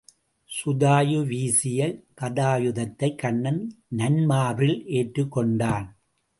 சுதாயு வீசிய கதாயுதத்தைக் கண்ணன் நன் மார்பில் ஏற்றுக் கொண்டான்.